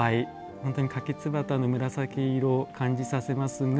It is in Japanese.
本当にカキツバタの紫色を感じさせますが。